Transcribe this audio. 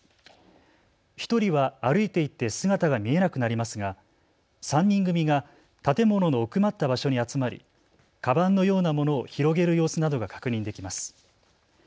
１人は歩いていって姿が見えなくなりますが３人組が建物の奥まった場所に集まりかばんのようなものを広げる様子などが確認できます。